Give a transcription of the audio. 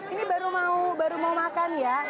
ini baru mau makan ya